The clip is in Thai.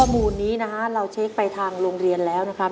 ข้อมูลนี้นะฮะเราเช็คไปทางโรงเรียนแล้วนะครับ